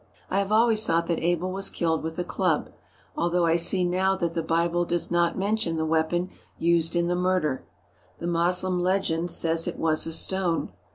I have always thought that Abel was killed with a club, although I see now that the Bible does not mention the weapon used in the murder. The Mos lem legend says it was a stone.